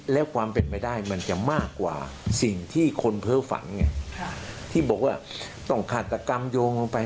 แล้วความเป็นไปได้มันจะมากกว่าสิ่งที่คนเพ้อฝันไงที่บอกว่าต้องฆาตกรรมโยงลงไป